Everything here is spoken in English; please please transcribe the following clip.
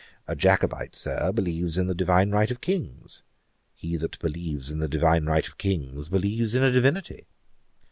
A Jacobite, Sir, believes in the divine right of Kings. He that believes in the divine right of Kings believes in a Divinity.